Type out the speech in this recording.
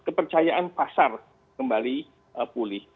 kepercayaan pasar kembali pulih